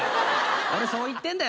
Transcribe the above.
俺そう言ってんだよ